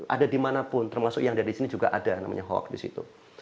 ada dimanapun termasuk yang ada di sini juga ada namanya hoax di situ